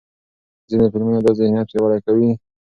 ځینې فلمونه دا ذهنیت پیاوړی کوي.